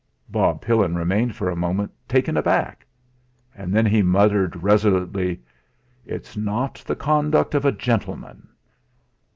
Bob Pillin remained for a moment taken aback; then he muttered resolutely: "It's not the conduct of a gentleman."